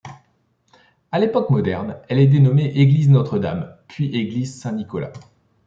À l'époque moderne, elle est dénommée église Notre-Dame puis église Saint-Nicolas.